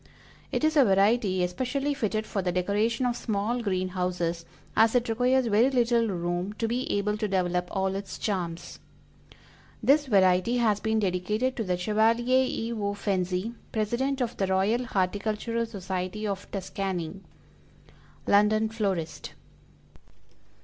It is a variety especially fitted for the decoration of small green houses, as it requires very little room to be able to develop all its charms. This variety has been dedicated to the Chevalier E. O. FENZI, President of the Royal Horticultural Society of Tuscany. _London Florist.